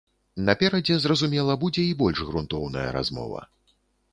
Наперадзе, зразумела, будзе і больш грунтоўная размова.